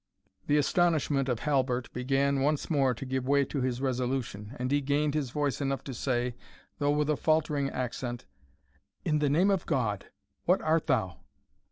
The astonishment of Halbert began once more to give way to his resolution, and he gained voice enough to say, though with a faltering accent, "In the name of God, what art thou?"